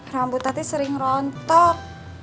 rambut tati sering rontok